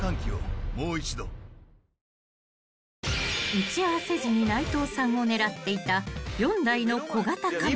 ［打ち合わせ時に内藤さんを狙っていた４台の小型カメラ］